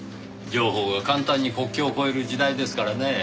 情報が簡単に国境を越える時代ですからねぇ。